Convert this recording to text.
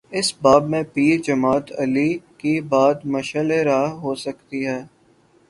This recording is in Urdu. اس باب میں پیر جماعت علی کی بات مشعل راہ ہو سکتی ہے۔